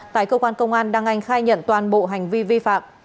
tại cơ quan công an đăng anh khai nhận toàn bộ hành vi vi phạm